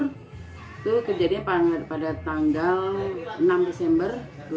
itu kejadian pada tanggal enam desember dua ribu dua puluh